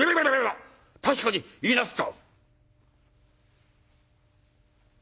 確かに言いなすった！」。